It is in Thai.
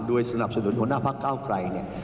ด้วยสนับสนุนหัวหน้าภักษ์เก้าไกร